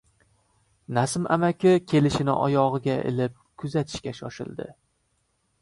Nasim amaki kalishini oyog‘iga ilib, kuzatishga shoshildi.